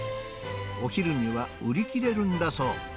お昼には売り切れるんだそう。